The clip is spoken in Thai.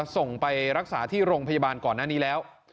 ส่งไปรักษาที่โรงพยาบาลก่อนหน้านี้แล้ว